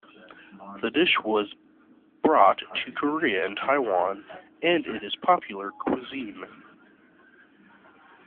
The dish was brought to Korea and Taiwan, and it is popular cuisine.